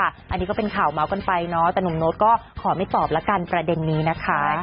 อันนี้ก็เป็นข่าวเมาส์กันไปเนาะแต่หนุ่มโน๊ตก็ขอไม่ตอบแล้วกันประเด็นนี้นะคะ